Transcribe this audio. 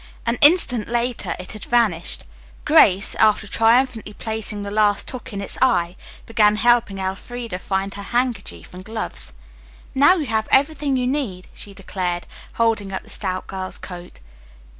An instant later it had vanished. Grace, after triumphantly placing the last hook in its eye, began helping Elfreda find her handkerchief and gloves. "Now you have everything you need," she declared, holding up the stout girl's coat.